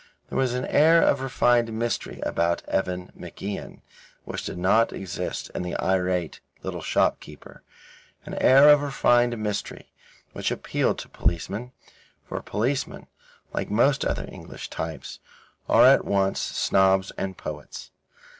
There was an air of refined mystery about Evan MacIan, which did not exist in the irate little shopkeeper, an air of refined mystery which appealed to the policemen, for policemen, like most other English types, are at once snobs and poets.